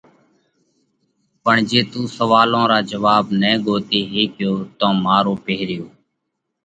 پڻ جي تُون سوئالون را جواڀ نہ ڳوتي هيڪيو تو مارو پيرهيون